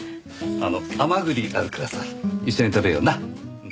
あの甘栗あるからさ一緒に食べような！